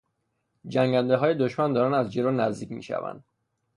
جنگندههای دشمن دارند از جلو نزدیک میشوند.